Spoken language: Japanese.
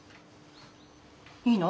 いいの？